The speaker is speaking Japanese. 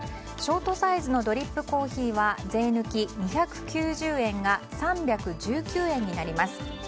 ショートサイズのドリップコーヒーは税抜き２９０円が３１９円になります。